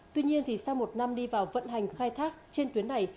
tuy nhiên sau một năm đi vào vận hành khai thác trên tuyến này